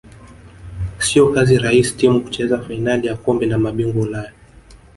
siyo kazi rahis timu kucheza fainali ya kombe la mabingwa ulaya